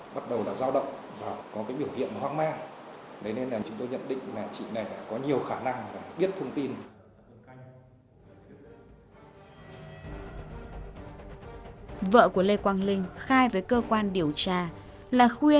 hãy đăng ký kênh để ủng hộ kênh của mình nhé